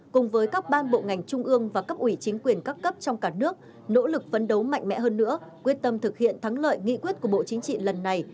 cùng với các ban bộ ngành trung ương và cấp ủy chính quyền các cấp trong cả nước nỗ lực phấn đấu mạnh mẽ hơn nữa quyết tâm thực hiện thắng lợi nghị quyết của bộ chính trị lần này